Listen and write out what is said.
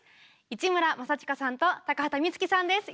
市村正親さんと高畑充希さんです。